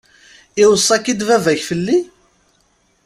Iweṣṣa-k-id baba-k fell-i?